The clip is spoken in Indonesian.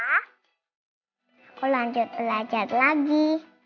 aku lanjut belajar lagi